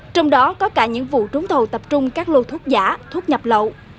trong đó có cả những vụ trúng thầu tập trung các lô thuốc giả thuốc nhập lậu